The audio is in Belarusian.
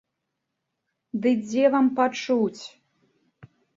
Ды дзе вам пачуць?